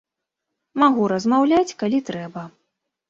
Магу размаўляць, калі трэба.